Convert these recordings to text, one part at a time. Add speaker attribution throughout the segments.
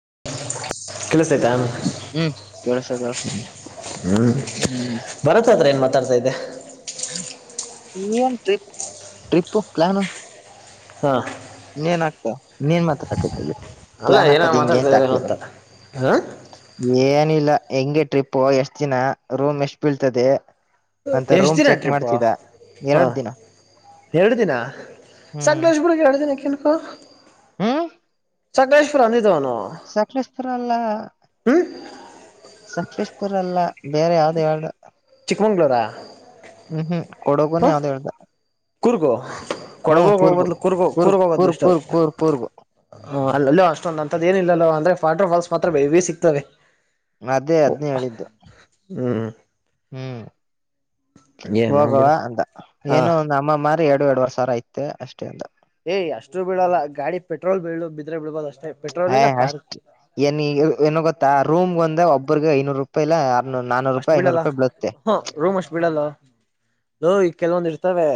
Speaker 1: [unintelligible] ಕೇಳುಸುತ್ತೈತ
Speaker 2: ಹ್ಮ್ ಕೇಳಸದ
Speaker 1: ಹ್ಮ್
Speaker 2: ಹ್ಮ್
Speaker 1: ಭರತ್ ಹತ್ರ ಏನ್ ತ್ತರತ್ತೈದೆ
Speaker 2: ಏನ್ ಟ್ರಿಪ್ ಟ್ರಿಪು ಪ್ಲಾನೂ.
Speaker 1: ಹಾಂ
Speaker 2: ಏನ್ ಆಕ್ತ ಇನ್ನೇನ್ ಮಾತಡಕತ್ತದಿ
Speaker 1: ಅಲ್ಲ
Speaker 2: ಪ್ಲಾನ್
Speaker 1: ಏನೋ
Speaker 2: ಹಾಕದ ಹೆಂಗೆ
Speaker 1: ಮಾತಾಡ್ತಾ
Speaker 2: ಅಂತ
Speaker 1: ಇದ್ದಾರೆ ಏನೋ
Speaker 2: ಆಕ್ತಿದ್ವು.
Speaker 1: ಹಾಂ
Speaker 2: ಏನ್ ಇಲ್ಲ ಹೆಂಗೆ ಟ್ರಿಪು ಎಷ್ಟ್ ದಿನ ರೂಮ್ ಎಷ್ಟು ಬೀಳ್ತದೆ. ಅಂತ
Speaker 1: ಎಷ್ಟು
Speaker 2: ರೂಮ್
Speaker 1: ದಿನ
Speaker 2: ಚೆಕ್
Speaker 1: ಟ್ರಿಪ್ಪು
Speaker 2: ಮಾಡ್ತಿದ ಎರಡು
Speaker 1: ಹಾಂ
Speaker 2: ದಿನ.
Speaker 1: ಎರಡು ದಿನ
Speaker 2: ಹ್ಮ್
Speaker 1: ಸಕಲೇಶ್ ಪುರ್ ಕ್ಕೆ ಎರಡು ದಿನ ಎನ್ನಕಪ್ಪ ಸಕ್ಲೆಶ್ಪೂರಾ ಅನಿಲ್
Speaker 2: ಸಕಲೇಶಪುರಾ ಅಲ್ಲಾ
Speaker 1: ಹ್ಞೂ
Speaker 2: ಸಕ್ಲೆಶ್ ಪುರಾ ಅಲ್ಲಾ ಬೇರೆ ಯಾವ್ದೋ ಹೇಳ್ದಾ.
Speaker 1: ಮಂಗಳೂರಾ.
Speaker 2: ಉಹು ಕೊಡಗೂನೊ ಯಾವ್ದೋ ಹೇಳ್ದಾ.
Speaker 1: ಕೂರ್ಗೋ ಕೊಡಗೂಗ ಹೊಬದ್ಲು ಕೂರ್ಗೋ
Speaker 2: ಕೂರ್ಗ್
Speaker 1: ಕೂರ್ಗ ಹೋಗೊದ
Speaker 2: ಕೂರ್ಗ್
Speaker 1: ಬೆಸ್ಟು.
Speaker 2: ಕೂರ್ಗ್ ಕೂರ್ಗ್ ಕೂರ್ಗು
Speaker 1: ಹ ಅಲ್ಲಲ್ಲೋ ಅಷ್ಟೊಂದ ಅಂತದ ಏನಿಲ್ಲಲಲ್ವಾ ಅಂದ್ರೆ ವಾಟರ್ಫಾಲ್ಸ್ ಮಾತ್ರ ಹೇವಿ ಸಿಕ್ತವೆ.
Speaker 2: ನಾ ಅದೇ ಅದ್ನೇ ಹೇಳಿದ್ದು
Speaker 1: ಹ್ಮ್
Speaker 2: ಹ್ಮ್
Speaker 1: ಏನೋ
Speaker 2: ಹೋಗುವ
Speaker 1: ಬಿಡು
Speaker 2: ಅಂತ
Speaker 1: ಹಾಂ
Speaker 2: ಏನು ಒ ಅಮ್ಮಮ್ಮ ಎರಡು ಎರಡ್ುವರೆರ್ ಸರ ಐತೆ ಅಷ್ಟೇ ಅ
Speaker 1: ಏ ಅಷ್ಟು ಬಿಳಲ್ಲ ಗಾಡಿ ಪೆಟ್ರೋಲ್ ಬೀಳು ಬಿದ್ರೆ ಬಿಳ್ಬೋದು ಅಷ್ಟು
Speaker 2: ಹ ಅಷ್ಟ ಏನ್ ಏನು ಗೊತ್ತಾ ರೂಮ್ಗೆ ಒಂದ ಒಬ್ಬರ್ಗ ಐನೂರು ರೂಪಾಯಿಲ್ಲ
Speaker 1: ಅಷ್ಟ್ ಬಿಡಲ್ಲ ಹ ರೂಮ್ ಅಷ್ಟ್ ಬಿಡಲ್ಲ ನೋ ಈ ಕೆಲವೊಂದ್ ಇರ್ತವೆ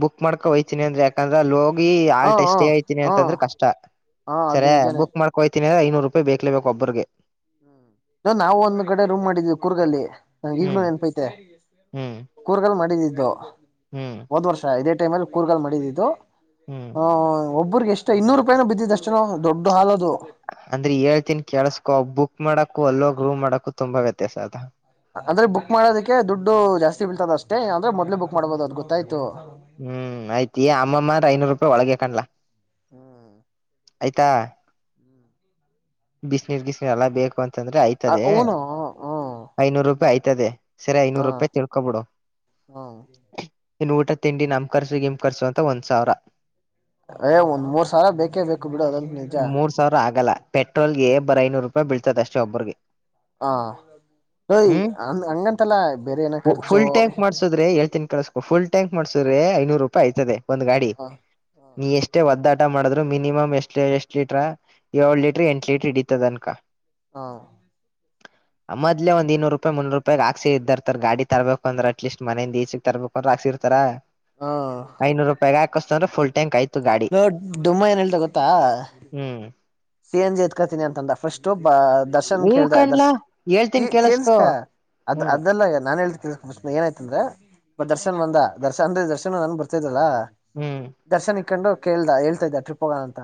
Speaker 2: ಬುಕ್ ಮಾಡ್ಕೊ ಹಯ್ತಿನನಿ ಅಂದ್ರ ಯಕಂದ್ರ ಅಲ್ಲಿ ಹೋಗಿ
Speaker 1: ಹ
Speaker 2: ಆಲ್ಟ ಎ
Speaker 1: ಹ
Speaker 2: ಸೇ ಯತೀನಿ
Speaker 1: ಹ
Speaker 2: ಅಂತಂದ್ರೆ ಕಷ್ಟ
Speaker 1: ಹಾ ಅದು
Speaker 2: ಸರಿ
Speaker 1: ನಿಜಾನೇ
Speaker 2: ಬುಕ್ ಮಾಡ್ಕೊಯ್ತೀನಿ ಅ ಐನೂರು ರೂಪಾಯಿ ಬೇಕಕ್ಲೇಬೇಕೇಕು ಒಬ್ಬ್ರಿಗೆ
Speaker 1: ನ ನಾವವು ಒಂದ್ ಕಡೆ ರೂಮ್ ಮಾಡಿದೀವಿ ಕೂರ್ಗ್ ಅಲ್ಲಿ ನಂಗ ಈಗ್ಲೂ
Speaker 2: ಹ್ಮ್
Speaker 1: ನೆನ್ಪೈತೆ
Speaker 2: ಹ್ಮ್
Speaker 1: ಕೂರ್ಗಲ್ಲ ಮಾಡಿದಿ ಇದು
Speaker 2: ಹ್ಮ್
Speaker 1: ಒದ್ ವರ್ಷ ಇದೇ ಟೈಮ್ಲ್ಲಿ ಕೂರ್ಗಲ್ ಮಾಡಿದಿದ್ದು
Speaker 2: ಹ್ಮ್
Speaker 1: ಒಬ್ಬ್ರರಿಗೆ ಎಷ್ಟ ಇೂರು ರೂಪಾಯನೂ ಬಿದ್ದಷ್ಟು
Speaker 2: ಅಂದ್ರೆ ಹೇಳ್ತನ್ ಕೇಳಸ್ಕೊ ಬುಕ್ ಮಾಡಕು ಅಲ್ಲೋ ರೂಮ್ ಮಾಡಕು ತುಂಬಾ ವ್ಯತ್ಯಾಸ ಅದ
Speaker 1: ಅಂದ್ರೆ ಬುಕ್ ಮಾಡೋದಕ್ಕೆ ದುಡ್ಡು ಜಾಸ್ತಿ ಬಿಳ್ತದ ಅಷ್ಟೇ ಅಂದ್ರೆ ಮೊದ್ೇ ಬುಕ್ ಮಾಡ್ಬೋದು ಅದು
Speaker 2: ಹ್ಮ್ ಆಯ್ತ ಅಮ್ಮಮ್ಮ್ರ ಐನೂರು ರೂಪಾಯಿ ಒಳಗ ಕಾಣ್ಲಾ
Speaker 1: ಹ್ಮ
Speaker 2: ಆಯ್ತಾ ಬಿಸಿನೀರ್ ಬಿಸಿನೀರ್ ಎಲ್ಲಾ ಬೇಕು ಅಂತಂದ್ರೆ ಆಯ್ತದೆ
Speaker 1: ಊನು ಹ್ಮ್ ಹೂನು ಹ್ಮ್
Speaker 2: ಐನೂರು ರೂಪಾಯಿ ಆಯ್ತದೆ ಸರಿ
Speaker 1: ಹಾ
Speaker 2: ಐನೂರು ರೂಪಾಯಿ ತಿಳ್ಕೊಬಿಡು
Speaker 1: ಹ್ಮ್
Speaker 2: ಇನ್ ಊಟ ತಿಂಡಿ ನಮ ಕರ್ಸ ನಿಮ್ ಕರ್ಸು ಅಂತ ಒಂದ್ ಸಾವಿರ
Speaker 1: ಯೇ ಒಂದ್ ಮೂರ್ ಸಾವಿರ ಬೇಕೇ ಬೇಕು ಬಿಡೋದಂತ ನಿಜ
Speaker 2: ಮೂರ್ ಸಾವಿರ ಆಗಲ್ಲ ಪೆಟ್ರೋಲ್ಗೆ ಬರ ಐನೂರು ರೂಪಾಯಿ ಬೀತ ಅಷ್ಟ ಒಬ್ಬ್ರಿಗೆ
Speaker 1: ಹಾ ನಯ್
Speaker 2: ಹ್ಮ್
Speaker 1: ಹಂಗಂತಲ್ಲ ಬೇರೆ ಏನ ಖರ್ಚು
Speaker 2: ಫುಲ್ ಟ್ಯಾಂಕ್ ಮಾಡ್ಸುದ್ರೆ ಹೇಳ್ತನ್ ಕಳಸ್ಕೊ ಫುಲ್ ಟ್ಯಾಂಕ್ ಮಾಡ್ಸುದ್ರೆ ಐನೂರು ರೂಪಾಯಿ ಆಯ್ತದೆ ಒಂದ ಗಾಡಿ
Speaker 1: ಹ
Speaker 2: ನೀ ಎಷ್ಟೇ ಒದ್ದಾಡ್ ಟ ಮಾಡ್ರು ಮಿನಿಮ್ ಎಷ್ಟ ಎಷ್ಟ ಲೀಟ್ರ ಏಳಳ್ ಲೀಟ್ರ ಎಂಟು ಲೀಟರ್ ಹಿಡಿತತದ ಅನ್ಕೋ
Speaker 1: ಹಾ
Speaker 2: ಮದ್ಲೆ ಒಂದ ಇನ್ನೂರು ರೂಪಾಯಿ ಮುೂರುೂಪಾಯಿ ಹಾಸಕ್ ಇದರ್ ಗಾಡಿ ತರ್ಬೇಕಂದ್ರೆ ಅಟ್ಲೀಸ್ ಮನೆಯಿಂದ ಈ ಚುಕ್ಕೆ ತರ್ಬೇಕ ಅ್ರ ಹಾಕ್ಸಿರ್ತಾರಾ
Speaker 1: ಹ
Speaker 2: ಐನೂರು ರೂಪಾಯಿ ಹಾಕಸ್ತ ಅಂದ್ರ ಫುಲ್ ಟ್ಯಾಂಕ್ ಆಯ್ತು ಗಾಡಿ
Speaker 1: ನೋ ಡಮ್ಮ ಏನ್ಳ್ತ ಗೊತ್ತಾ
Speaker 2: ಹ್ಮ್
Speaker 1: ಸೇಂಜಿ ಎತ್ಕತಿನಿ ಅಂದ ಫಸ್ಟ್ ಷ್ಟೊಬ್ಬ ದರ್ಶನ್
Speaker 2: ಹೂ
Speaker 1: ಕೇಳ್ದ ದರ್ಶ
Speaker 2: ಕಣ್ಲಾ ಹೇಳ್ತೀನ್ ಕೇಳಸ್ಕೊ
Speaker 1: ಕೇಳಸಕಾ ಅದ
Speaker 2: ಹ್ಮ್
Speaker 1: ಅದಲ್ಲ ನಾನನ್ ಹೇಳ್ತ ಏನಾಯ್ತಂದ್ರೆ ದರ್ಶನ್ ಬಂದ ದರ್ಶನ್ ಅಂದ್ರೆ ದರ್ಶನ್ ನನ್ ಬರ್ತಿದಲ್ಲಾ
Speaker 2: ಹ್ಮ್
Speaker 1: ಹಕೊಂಡು ಕೇಳ್ದ ಹೇಳ್ತಾ ಇದ್ದ ಟ್ರಿಪ್ ಹೋಗೋಣ ಅಂತ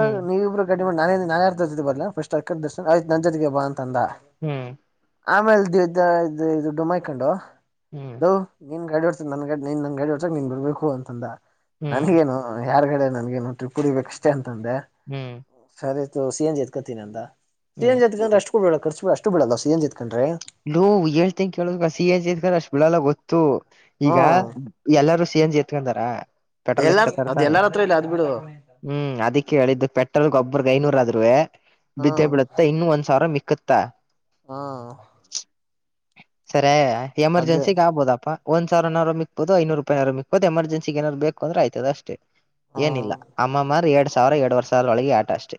Speaker 2: ಹ್ಮ್
Speaker 1: ನೀವು ಇಬ್ಬರು ನ ನನ್ ಯಾರ ಬಲ್ಲಫಯ್ ನ ಜೊತೆಗೆ ಬಾ ಅ
Speaker 2: ಹ್ಮ್
Speaker 1: ಆಮೇಲೆ ದ ಇ ಇದು ಡುಮ್ಮ ಮಕೊಂಡು
Speaker 2: ಹ್ಮ್
Speaker 1: ನ [unintelligible] ನೀನ್ ಗಾಡಿ ಹೊಓಡ್ತ ನನ್ನ್ನ್ ಗಾಡಿ ಹೊಓಡ್ಸಕ್ ನೀನ್ ಬಿರ್ಬೇಕು [unintelligible] ಅಂತಂದ
Speaker 2: ಹ್ಮ್
Speaker 1: ನನ್ಗೇಏನು ಯಾರ್ಗಡೆ [unintelligible] ನನ್ಗೆ ಟ್ರಿಪ್ ಕುಡಿಬೇಕಷ್ಟೇ ಅಂತಂದೆ
Speaker 2: ಹ್ಮ್
Speaker 1: ಸರಿ ಇತ್ತು ಸಿ ಎಂಜಿ ಎತ್ಕತೀನಿ ಅಂದ ಸಿ ಎನ್
Speaker 2: ಹ್ಮ್
Speaker 1: ಜಿ ಎತ್ ಅಷ್ಟು ಬೀಳೊಲ್ಲ ಖರ್ಚು ಸಿ ಎನ್ ಜಿ ಎತ್ಕೊಂಡ್ರೆ
Speaker 2: ನೋ ಹೇಳ್ತನ್ ಕೇಳುದ ಹಸ ಅಷ್ಟ ಬಿಡಲ್ಲ ಗೊತ್ತು ಈಗ
Speaker 1: ಹ್ಮ್
Speaker 2: ಎಲ್ಲಾರೂ ಪಿ ಎನ್ ಜಿ ಎತ್ಕೊಂಡಂತಾರಾ ಪೆಟ್ರೋಲ್
Speaker 1: ಎಲ್ಲಾರ್ ಅದ್
Speaker 2: ಎತ್ಕತರ್ತಾನೆ
Speaker 1: ಎಲ್ಲಾರ ಹತ್ರ ಇಲ್ಲ ಅದ್ ಬಿಡು
Speaker 2: ಹ್ಮ್ ಅದಿಕ್ಕೆಳಿದ್ದು ಪೆಟ್ರೋಲ್ ಗಬ್ಬ ಐನೂರ ಆದೂ [unintelligible] ಬಿದೆ
Speaker 1: ಹ್ಮ್
Speaker 2: ಬಿಳುತ್ತ ಇನ್ನು ಒಂದ್ ಸಾವಿರ ಮಕ್ಕುತ್ತಾ
Speaker 1: ಹಾ
Speaker 2: ಸರಿ
Speaker 1: ಅದೇ
Speaker 2: ಎಮರ್ಜೆನ್ಸಿಿಗೆ ಆಗ್ಬೋದಪ್ಪ ಒಂದ ಸಾವರನರ ಮಕ್ಬೋದು [unintelligible] ಐನೂರುೂಪಾಯಿಾರರುಕ್ೋದು ಎಮರ್ಜನ್ಸಿಗೆ ಏಾದ್ ಬೇಕಂದ್ರ ಆಯ್ತದಷ್ಟೇ ಏನಿಲ್ಲ
Speaker 1: ಹ್ಮ್
Speaker 2: ಅಮ್ಮಮ್ಮಾರ್ ಎರಡ್ ಸಾವಿರ ಎರಡ್ವರ್ ಸಾವಿರ ಒಳಗೆ ಆಟ ಅಷ್ಟೆ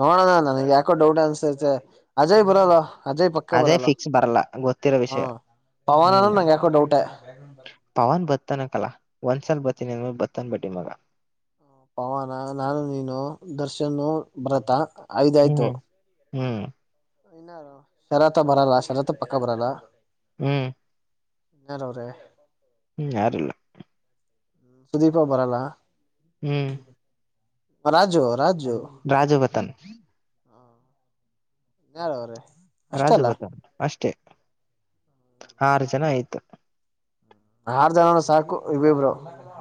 Speaker 1: ನೋಡೋಣ ನನಗ್ ಯಾಕೋ ಡೌಟ್ ಅನ್ಸೈತೆ ಅಜಯ್ ಬರಲ್ಲ ಅಜಯ್ ಪಕ್ಕ
Speaker 2: ಅದೇ ಫಿಕ್ಸ್ ಬರಲ್ಲ ಗೊತ್ತಿರೋ ವಿಷಯ
Speaker 1: ಹ್ಮ್ ಪವನನು
Speaker 2: ಹ್ಮ್
Speaker 1: ನಂಗೆ ಯಾಕೋ ಡೌಟೆ
Speaker 2: ಪವನ್ ಬ ಬತ್ತನ ಕಲಾ ಒಂದ್ಸಲ್ ಬತ್ತಿನ ಬತ್ತನ್ ಬಡಿ ಮಗ
Speaker 1: ಪವಾನ ನಾನು ನೀನು ದರ್ಶನ್ ಬರತಾ
Speaker 2: ಹ್ಮ್
Speaker 1: ಐದಾಯ್ತು
Speaker 2: ಹ್ಮ್
Speaker 1: ಇಾರ ಶರತ್ ಬರಲ್ಲ ಶರತ್ ಪಕ್ಕ ಬರಲ್ಲ
Speaker 2: ಹ್ಮ್
Speaker 1: ಇನ್ನಾರ ಅವ್ರೆ
Speaker 2: ಹ್ಮ್ ಯಾರಲ್ಲ
Speaker 1: ಸುದೀಪ ಬರಲ್ಲ
Speaker 2: ಹ್ಮ್
Speaker 1: ರಾಜು ರಾಜು
Speaker 2: ರಾಜಜಪತನ್
Speaker 1: ಯಾರ ಅವ್ರೀ
Speaker 2: ರಾಜಭದ ಅಷ್ಟೇ ಆರು ಜನ ಆಯ್ತು
Speaker 1: ಆರು ಜನನ ಸಾಕು ಇ ಇಬ್ರು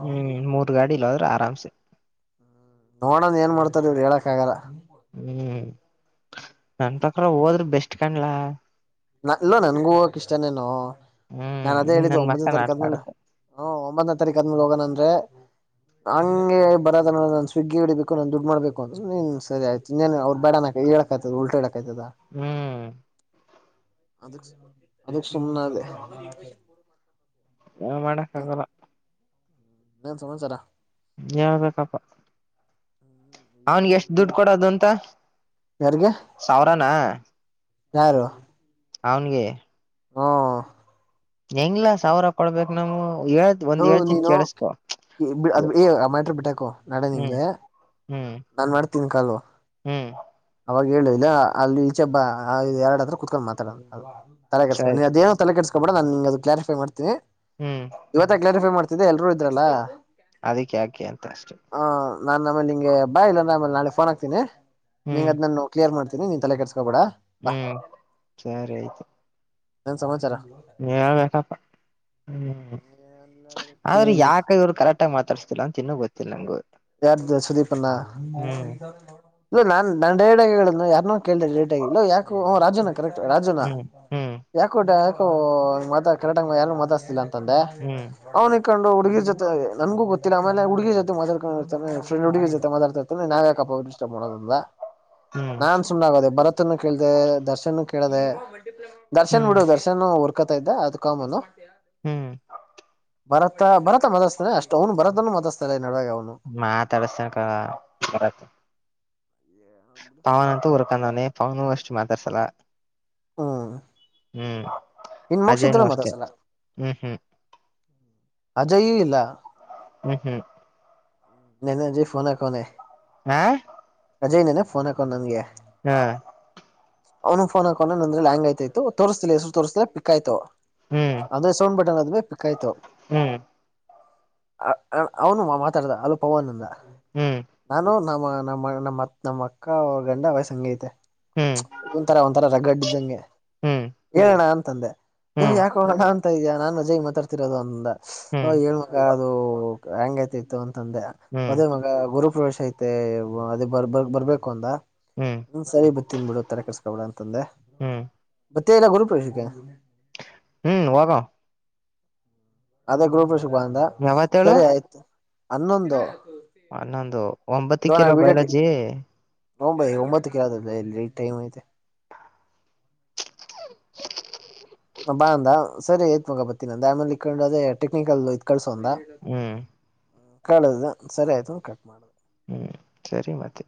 Speaker 2: ಹ್ಮ್ ಮೂರ್ ಗಾಡಿ ಇಲ್ಲದ್ರೆ ಆರಾಮ್ಸೆ
Speaker 1: ನೋಡಂದ ಏನ್ ಮಾಡ್ತಾರ ಇವ್ರು ಹೇಳಕ್ ಆಗಲ್ಲ
Speaker 2: ಹ್ಮ್ ನನ್ಪಕ್ಕ ಹೋದ್ರೆ ಬೆಸ್ಟ್ ಕಾಣ್ಲ
Speaker 1: ನಲ್ಲ ನನ್ಗೂ ಹೋಗಕ ಇಷ್ಟಾನೇನು ನಾ
Speaker 2: ಹ್ಮ್
Speaker 1: ಅದೇ ಹೇಳಿದ್ದು
Speaker 2: ನನ್ ಮಕ್ಕ
Speaker 1: ಒಂಬನೇ ತಾರೀಕ
Speaker 2: ನಾಟಕ
Speaker 1: ಆದ್ಮೇಲೆ
Speaker 2: ಆಡತ
Speaker 1: ಹ ಒಂಬತ್ತನೇ ತಾರೀಕ ಆದ್ಮೇಲೆ ಹೋಗಣ ಅಂದ್ರೆ ಹಂಗೆ ಬರದ ನ ಸ್ವಿಗ್ಗಿ ಹಡಿಬೇಕು ನನ್ ದುಡ್ಡು ಮಾಡ್ಬೇಕು ಅಂತ ನೀನ್ ಸರಿಯ್ತು ನೀನ್ ಅವ್ ಬೇಡ ಕ ಹೇಳಳತದ ಉಲ್ಟ ಎಡ
Speaker 2: ಹ್ಮ್
Speaker 1: ಅದಕ್ ಅದಕ್ ಸುಮ್ಮನೆ ಅದ
Speaker 2: ಹಾ ಮಾಡಕ್ ಆಗಲ್ಲ
Speaker 1: ಸಮಾಚಾರಾ
Speaker 2: ಯಳ್ಬೇಕಪ್ಪ ಅವನ್ಗೆ ಎಷ್ಟು ದುಡ್ಡು ಕೊಡದು ಅಂತ
Speaker 1: ಯಾರಿಗೆ
Speaker 2: ಸಾವಿರಾನ
Speaker 1: ಯಾರು
Speaker 2: ಅವನ್ಗೆ
Speaker 1: ಹಾ
Speaker 2: ಹೆಂಗ್ಲ್ಲಾ ಸಾವಿರ ಕೊಡ್ಬೇಕಕ್ ನಮ್ಗೆ ಒಂದ್
Speaker 1: ಅದು
Speaker 2: ಏಳ್ ತಿನ್
Speaker 1: ನೀನು
Speaker 2: ಕೇಳಸ್ಕೊ
Speaker 1: ಅದ್ ಏ ಆ ಮ್ಯಾಟ್ರ ಬಿಟ್ಟಾಕು
Speaker 2: ಹ್ಮ್ ಹ್ಮ್
Speaker 1: ತಿನ ಕಾಲುವ
Speaker 2: ಹ್ಮ್
Speaker 1: ಅವಾಗ ಹೇಳುದಿಲ್ಲ ಅಲ್ಲಿ ಈಚೆ ಹಬ್ಬ ಎರಡ್ ಹತ್ರ ಕುೂತ್ಕೊಂಡ್ ಮಾತಾಡದು ತಲೆ ಕೆಕ
Speaker 2: ಸರಿ
Speaker 1: ನೀವು ಅದೇೋ ತಲೆ ಕೆಟ್ಕಬಡ ನಾ ನಿ ಅ ಕ್ರಿಫೈ ಮಾಡ್ತನಿ
Speaker 2: ಹ್ಮ್
Speaker 1: ಇವತ್ತ ಕ್ಲಾರಿಫೈ ಮಾಡ್ತಿದ್ದೆ ಎಲ್ಲರೂ ಇದ್ರಲ್ಲಾ
Speaker 2: ಅದಕ್ಕೆ ಯಾಕೆ ಅಂತ ಅಷ್ಟೆ
Speaker 1: ನಾನ್ಮೇಲೆ ನಿಂಗೆ ಬಾ ಇ ಅಂದ್ರ ಆ ನಾಳೆಫೋನ್ ಹಾತೀನಿ ನೀಂಗ
Speaker 2: ಹ್ಮ್
Speaker 1: ಅದನ್ನನ್ನು ಕ್ಲಿಯರ್ ಮಾಡ್ತನಿನ್ ತಲೆ ಕೆರ್
Speaker 2: ಹ್ಮ್ ಸರಿ ಆಯ್ತು
Speaker 1: ಏನ್ ಸಮಾಚಾರ
Speaker 2: ಹ್ಮ ಆದ್ರ
Speaker 1: ಏನೈತಿ
Speaker 2: ಯಕ ಇವ್ರು ಕರೆಕ್ಟ್ ಆಗ ಮಾತಾಡ್ಸ್ತಿಲ್ಲ ಅಂತ ತಿನ್ನ ಗೊತ್ತಿಲ್ಲ ನಂಗಗೆ
Speaker 1: ಯಾರ ಸುದೀಪ್ಣ ಇಲ್ಲ ನಾನ್ ನಡೇಡಗಳನ್ನು ಯಾರು ಕೇಳ್ದ ರೇ ಇಲ್ಲ ಯಾಕ ರಾಜನ ಕರೆಕ್ಟ್ ರಾಜುನಾ
Speaker 2: ಹ್ಮ್ ಹ್ಮ್
Speaker 1: ಯಾಕೋ ಯಾಕೋ ಮಾತ ಕರೆಂಗ ಯಾರು ಮಾತಾಸ್ತಿಲ್ಲ ತಂದೆ
Speaker 2: ಹ್ಮ್
Speaker 1: ಅವ್ನ ಇಕಂಡು ಹುಡುಗಿರ್ ಜೊತೆ ನನ್ಗೂ ಗೊತ್ತಿಲ್ಲ ಆಮೇಲೆ ಹುಡುಗಿರ್ ಜೊತೆ ಮಾತಾಡ್ಕ ಫ್ರೆಂಡ್ ಹುಡುಗ ಜೊತೆ ಮಾತಾಡ್ತರ್ತಾನೆ ನಾವ ಯಾಕಪ್ಪ ಅವಿಸ್ಟಬ್ ಮಾಡೋದ
Speaker 2: ಹ್ಮ್
Speaker 1: ನಾನ್ ಸುಮ್ಮ ಆಗದೆ ಭರತನು ಕೇಳ್ದ ದರ್ಶನ್ ಕೇಳದೆ ದರ್ಶನ್
Speaker 2: ಹ್ಮ್
Speaker 1: ಬಿಡು ದರ್ಶನ್ ಹುರ್ಕೊತಾ ಇದ್ದ ಅದ ಕಾಮನು
Speaker 2: ಹ್ಮ್
Speaker 1: ಬರತ ಬರತ ಮದಸ್ತಾನ ಅಷ್ಟ್ ಅವ್ನು ಬರತ್ನು ಮದಸ್ತಲ್ಲ ಈ ನಡುವಾಗ ಅವನು
Speaker 2: ತಡಸ ಬರ ಪವನಂತೂ ಹುರ್ಕೊಂಡವನೆ ಪವನೂ ಅಷ್ಟು ಮಾತಾಡ್ಸಲ
Speaker 1: ಹ್ಮ
Speaker 2: ಹ್ಮ್ ಅಜೇನು ಅಷ್ಟೇ ಹ್ಮ್ ಹ್ಮ್
Speaker 1: ಅಜಯೂ ಇಲ್ಲ
Speaker 2: ಹ್ಮ್ ಹ್ಮ್
Speaker 1: ನ ನಜಫೋನ ಕನೆ
Speaker 2: ಹ್ಮ
Speaker 1: ಅಜಯ್ನೇನೆಫೋನ್ ಹಾಡು ನನ್ಗೆ
Speaker 2: ಹ್ಮ್
Speaker 1: ಅವ್ನು ಫೋನ್ ಹಕೊಂಡ ನ ಅಂದ್ರೆ ಹಂಗ ಆಯ್ತಾಯತ ತೋರ್ಸ್ತಿಲ್ಲ ಹೆಸರುರ್ತಿಲ್ಲ ಪಕ್ ಆಯ್ತು
Speaker 2: ಹ್ಮ್
Speaker 1: ಅದ್ರ ಸೌಂಡ್ ಬಟನ್ ಅದ ಭ ಪಿಕ್ ಆಯ್ತಾವ
Speaker 2: ಹ್ಮ್
Speaker 1: ಅ ಅವನು ಮಾತಾಡ್ದ ಅಲ ಪವನ್ಂದ
Speaker 2: ಹ್ಮ್
Speaker 1: ನಾನು ನ ನಮ್ಮ ನಮ್ಮತ್ ನಮ್ಮ ಅಕ್ಕ ಅವ್ರ ಗಂಡ ವಯಸ್ ಹಂಗೈತೆ
Speaker 2: ಹ್ಮ್
Speaker 1: ಒಂ ತರ ಒಂಥರ ರಗ್ಗಡ್ಡಿದ್ದಂಗೆ
Speaker 2: ಹ್ಮ್
Speaker 1: ಹೇಳಏಣ ಅಂತಂದೆ ಯ್
Speaker 2: ಹ್ಮ್
Speaker 1: ಯಾಕ ನಾ ಅಂತ ಇದ ನಾನ್ ರಜ ಮಾತಾಡ್ತಿರೋದು ಒಂದಂದ
Speaker 2: ಹ್ಮ್ ಹ್ಮ್
Speaker 1: ಹಂಗತಿತ್ತು ಅಂತಂದೆ
Speaker 2: ಹ್ಮ್
Speaker 1: ಅದ ಗು ಪ್ರವೇಶ ಐತೆ ಅದೇ ಬ ಬರ್ಬೇಕು ಅಂದ
Speaker 2: ಹ್ಮ್
Speaker 1: ಸರಿ ಬ ತಿನ್ ಬಿಡು ತರ ಕರ್ ಕಡಂತಂದೆ
Speaker 2: ಹ್ಮ್
Speaker 1: ಮತ್ತೆ ಎಲ್ಲ ಗುರುಪ್ರೇಶಿಕ
Speaker 2: ಹ್ಮ್ ವಾಗಾ
Speaker 1: ಅದೇ ಗೃಪ ಶುಭ ಅಂದ
Speaker 2: ಯಾವತ್ತೇಳು
Speaker 1: ಸರಿ ಆಯ್ತು ಹನ್ನೊಂದು
Speaker 2: ಹನ್ನೊಂದು ಒಂಬತ್ತ ಕೆಲವ ಬೈಲಜಿ
Speaker 1: ಹ ಭ ಹತ್ತು ಕಲ ಲೈಟ್ ಮ ಆ ಬಾ ಅಂದ ಸರಿ ಏತ್ ಮಗ ಬತ್ತಿನ ಅಂದ ಆಮೇಲೆ ಇೊಂಡ ಅದ ಟಕ್ಕಲ್ ಇ ಕಳ್ಸ
Speaker 2: ಹ್ಮ್
Speaker 1: ಕಳ ಸರಿ ಆಯ್ತು ಕಟ್ ಮಾಡುದು
Speaker 2: ಹ್ಮ್ ಸರಿ ಮಾತ್ತೆ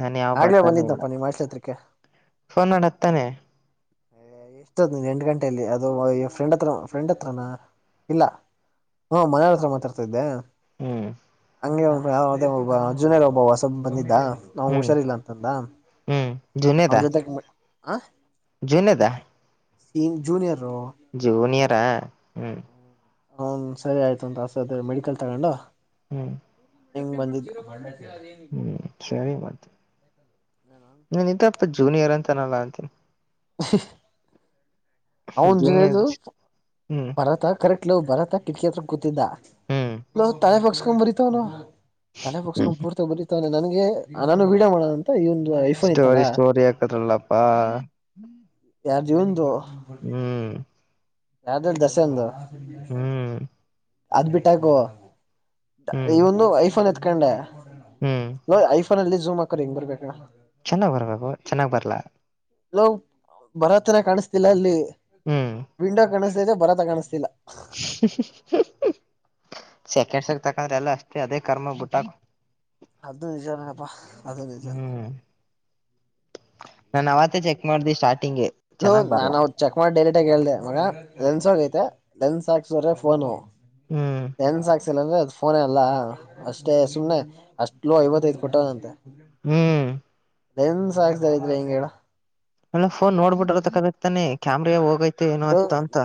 Speaker 2: ನನ್ ಯಾವ
Speaker 1: ಆಗ್ಲೇ
Speaker 2: ಬಟನು ಇಲ್ಲ
Speaker 1: ಬಂದಿದ್ನಪ್ಪ ನಿಮ್ಮ ಹಾಸ್ಟೆಲ್ ಹತ್ರಕ್ಕೆ
Speaker 2: ಫೋನಮಡ ತ್ತಾನೆ
Speaker 1: ಎಷ್ಟದ್ ಎಂಟ ಗಂಟೆಯಲ್ಲಿ ಅದು ಫ್ರೆಂಡ್ ಹತ್ರ ಫ್ರೆಂಡ್ ಹತ್ರನಾ ಇಲ್ಲ ಹಾ ಮನೆಯ್ ಹತ್ರ ಮಾತಾಡ್ತಾ ಇದಿದ್ದೆ
Speaker 2: ಹ್ಮ್
Speaker 1: ಹಂಗಗೆ ಒ ಒಬ್ಬ ಜೂನಿಯರ್ ಹೊಸ ಒಬ್ಬವ ಸ್ವ ಬಂದಿದ್ದ ನಂಗ
Speaker 2: ಹ್ಮ್
Speaker 1: ಹುಷಾರಿಲ್ಲ ಅಂತಂದ
Speaker 2: ಹ್ಮ್
Speaker 1: ಅವನ ಜೊತೆಗೆ ಆ
Speaker 2: ಜನದಾ
Speaker 1: ಜುನಿಯರ್
Speaker 2: ಜೂನಿಯರಾ ಹ್ಮ್
Speaker 1: ಹನ್ ಸರಿ ಆಯ್ತುಂತಸ ಮೆಡಿಕಲ್ ತಗೊಂಡ
Speaker 2: ಹ್ಮ್
Speaker 1: ಹೆಂಗ್ ಬಂದಿದ ಅದನ
Speaker 2: ಹ್ಮ್ ನೀ ಇದ ಅಪ್ಪ ಜೂನಿಯರ್ ಅಂತಾನಲ್ಲ ಅಂತೀನಿ
Speaker 1: [inaudible] ಅವನ್
Speaker 2: ಜೂನಿಯರ್
Speaker 1: ಜುಲ್ಲೆದು
Speaker 2: ಹ್ಮ್
Speaker 1: ಬರತ್ತ ಕರೆಕ್ಟ್ ಇವು ಬರತ್ತ ಕಿಟಕಿ ಹತ್ರ ಕೂತಿದ್ದ
Speaker 2: ಹ್ಮ್
Speaker 1: ನವು ತಳೆ ಪಗ್ಸ್ಕೊ ಬರೀತವ ನಾವವು ತಲೆ ಬಗಸ್ಕೊಂಡ್ ಪೂರ್ತಿ ಬರತವೆ ನನ್ಗೆ ನಾನು ಬೀಡ ಮಾಡೋಣ ಅಂತ ಇವ
Speaker 2: ಸ್ಟೋರಿ ಸ್ಟೋರಿ ಆಾಕದಲ್ಲಪ್ಪಾ
Speaker 1: ಯಾರ ಜೀವಂದು
Speaker 2: ಹ್ಮ್
Speaker 1: ಯ್ದ ದಸೆಂದು
Speaker 2: ಹ್ಮ್
Speaker 1: ಅದ್ ಬಿಟ್ಟಾಕುವ
Speaker 2: ಹ್ಮ್
Speaker 1: ಈ ಒಂದು ಐಫೋನ್ ಎತ್ಕೊಂಡೆ
Speaker 2: ಹ್ಮ್
Speaker 1: ಲೋ ಅಲ್ಲಿ ಜಝಮ್ಕರ್ ಹಂಗ್ ಬರ್ಬೇಕಣಾ
Speaker 2: ಚೆನ್ನಾಗ್ ಬರ್ಬೇಕು ಚೆನ್ನಾಗ್ ಬರ್ಲಾ
Speaker 1: ನಾವು ಭರತನ ಕಾಣಿಸ್ತಿಲ್ಲ ಅಲ್ಲಿ ವಿಂಡೋ ಕಾಣಿಸ್ತದೆ ಭರತ ಕಾಣಿಸ್ತಿಲ್ಲ
Speaker 2: [inaudible] ಸೆಕೆಂಡ್ಸ್ಕ್ ತಕಂದ್ರ ಎಲ್ಲ ಅಷ್ಟೇ ಅದೇ ಕರ್ಮ ಬಿಟ್ಟಕ
Speaker 1: ಅದ ನಿಚಪ್ಪಾ ಅದ ನಿಚೆ
Speaker 2: ಹ್ಮ್ ನಾನ್ ಅವತ್ತ ಚಕ್ ಮಾಡ್ದಿ ಸ್ಟ್
Speaker 1: ಹ ನಾನ್ ಅವ್ ಚೆಕ್ ಮಾಡಿ ಡೈಲಿಟ ಆಗ ಹೇಳ್ದ ಮಗ ಎನ್ಸೋಗೈತೆ ನನ್ ಸಾಕ್ಸ್ರೆ ಫೋನು
Speaker 2: ಹ್ಮ್
Speaker 1: ಲೆನ್ಸ್ ಹಾಕ್ಸಿಲ್ಲ ಅಂದ್ರೆ ಅದು ಫೋನ ಅಲ್ಲಾ ಅಷ್ಟೇ ಸುಮ್ನೆ ಅಷ್ಟ್ ಲೋ ಐವತ್ತೈದು ಕೊಟ್ಟದಂತೆ
Speaker 2: ಹ್ಮ್
Speaker 1: ನ್ ಸಾಕ್ತಾರ ಇದ್ರ ಹಿಂಗಡ
Speaker 2: ಎಲ್ಲ ಫೋನ್ ನೋಡ್ಬಿಟ್ರ ತಕ್ಕದಕ್ತಾನೆ ಕ್ಯಾಮ್ರ ಹೋಗೈತೆ ಏನ ಆತ ಅಂತ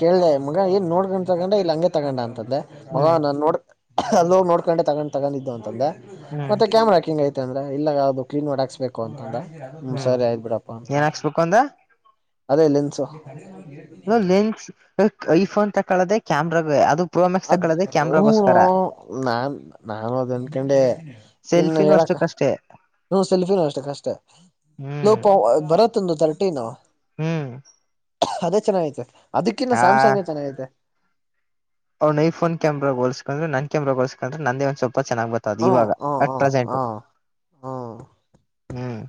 Speaker 1: ಕೇಳ್ದೆ ಮಗ ಏನ್ ನೋಡ್ಕೊಂಡ ತಗೊಂಡ ಇಲ್ಲಿ ಹಂಗೆ ತಗೊಂಡ ಅಂತ್ದೆ ಮಗ
Speaker 2: ಹ್ಮ್
Speaker 1: ನೋಡ್ ಅಲ್ಲೋ ನೋಡ್ಕೊಂಡೆ ತಗೊಂಡ್ ತಗೊಂಡಿದ್ದು ಅಂತಂದೆ
Speaker 2: ಹ್ಮ್
Speaker 1: ಮತ್ತೆ ಕ್ಯಾಮರಾ ಹಿಂಗ ಐ ಅಂದ್ರೆ ಇಲ್ಲ ಅದು ಕ್ಲೀನ್ ಮಾಡ ಹಾಕ್ಸ್ಬೇಕು ಅಂತಂದ್ರ ಹ್ಮ
Speaker 2: ಹ್ಮ್
Speaker 1: ಸರಿ ಆಯ್ ಬಿಡಪ್ಪಾ ಅಂತ
Speaker 2: ಏನ್ ಹಾಕ್ಸ್ಬೇಕು ಅಂದ
Speaker 1: ಅದೇ ಲನ್ಸು
Speaker 2: ಲೆನ್ಸ್ ಈಫೋನ್ ತಕಳದೆ ಕ್ಯಾಮ್ರಾಗ ಅದು ಪ್ರೋಮೆಕ್ಸ್
Speaker 1: ಅದ್
Speaker 2: ತಕ್ಕೊಳ್ಳೋದೆ
Speaker 1: ಹೂನೋ
Speaker 2: ಕ್ಯಾಮ್ರಾಗೋಸ್ಕರ
Speaker 1: ನಾನ್ ನಾನು ಅದ ಅನ್ಕೊಂಡೆ ಇನ್ನು
Speaker 2: ಸೆಲ್ಫಿನೂ
Speaker 1: ಹೇಳಕ್ಕ
Speaker 2: ಅಷ್ಟಕ್ಕಷ್ಟೇ
Speaker 1: ಹ ಸೆಲ್ಫಿನೂ ಅಷ್ಟ ಕಷ್ಟೇ
Speaker 2: ಹ್ಮ್
Speaker 1: ಲೋಪ ಬರತ್ತಂದು ತರ್ಟಿ ನಾವು
Speaker 2: ಹ್ಮ್
Speaker 1: ಅದೇ ಚೆನ್ನಾಗೈತೆ ಅದಕ್ಕಿನ್ನ
Speaker 2: ಆ
Speaker 1: ಸ್ಯಾಮ್ಸಂಗ ಚೆನ್ನಾಗೈತೆ
Speaker 2: ಅವ್ನ ಐಫೋನ್ ಕ್ಯಾಮರಾೋಸ್ಕೊಂಡ್ರ ನ ಕ್ಯಾಮ್ರಾಗೋಸ್ಕ್ರೆ ನಂದೇ ಒಂದ ಸ್ವಪ ತುಪ ಚೆನ್ನಾಗ್ ಬರ್ತದು
Speaker 1: ಹ್ಮ
Speaker 2: ಇವಾಗ ಅಟ್ ಪ್ರೆಸೆಂಟ್
Speaker 1: ಹ
Speaker 2: ಹ್ಮ್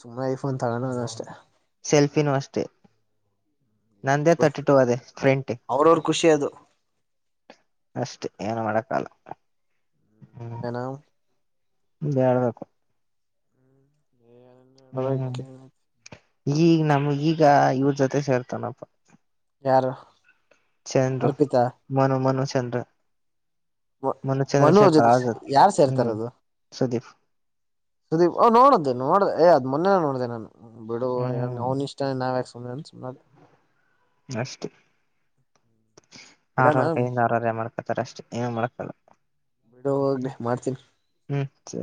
Speaker 1: ಸುಮ್ಮ ಈಫೋನ್ ತಗಣ ಅ ಅಷ್ಟೆ
Speaker 2: ಸೆಲ್ಫಿನೂ ಅಷ್ಟೇ ನಂದೇ
Speaker 1: ಬಿಡು
Speaker 2: ತರ್ಟಿ ಟೂ ಅದೇ ್ರೆಂಟ
Speaker 1: ಅವ್ರವ್ರ ಖುಷಿ ಅದು
Speaker 2: ಅಷ್ಟೆ ಏನು ಮಾಡಕ್ಕಲ್ಲ
Speaker 1: ಏನಾಮ
Speaker 2: ಹೇಳ್ಬೇಕು
Speaker 1: ಳವಕ
Speaker 2: ಹ್ಮ್ ಈಗ ನಮ ಈಗ ಇವ್ರ ಜೊತೆ ಸೇರ್ತಾನಪ್ಪ
Speaker 1: ಯಾರ
Speaker 2: ಚಂದರು ಮನು ಮನು ಚಂದ್ರ
Speaker 1: ಮ ಮನೋಜನ್ ಯಾರ್ು ಸೇರ್ತಾರ
Speaker 2: ಹ್ಮ್
Speaker 1: ಅದು
Speaker 2: ಸುದೀಪ್
Speaker 1: ಸುದೀಪ್ ಓ್ ನೋಡ್ದು ನೋಡ ಮೊನ್ನೆ ನೋಡಿದೆ ನಾನು ಬಿಡು
Speaker 2: ಹ್ಮ್
Speaker 1: ಅವ್ನ್ ಇಷ್ಟ ನಾವ ಯಾಕೆ ಸುನೆ ಸು
Speaker 2: ಅಷ್ಟೇ ಆರವಾರ
Speaker 1: ಇಡಾನ
Speaker 2: ಕೈಯಿಂದ ಆರವರೆ ಮಾಡ್ತ ಹತರ ಅಷ್ಟೇ ಏನ ಮಾಡಕ್ಕಲ್ಲ
Speaker 1: ಬಿಡು ಹೋಗನೆ ಮಾಡ್ತೀನಿ
Speaker 2: ಸೆ